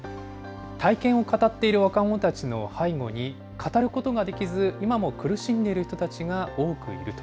体験を語っている若者たちの背後に、語ることができず、今も苦しんでいる人たちが多くいると。